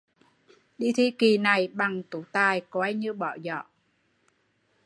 Đi thi kỳ này, bằng Tú tài coi như bỏ giỏ